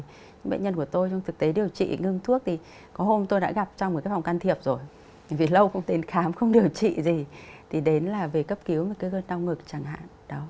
bệnh nhân mà ngưng thuốc rồi bệnh nhân của tôi trong thực tế điều trị ngưng thuốc thì có hôm tôi đã gặp trong một cái phòng can thiệp rồi vì lâu không tên khám không điều trị gì thì đến là về cấp cứu một cái gân đau ngực chẳng hạn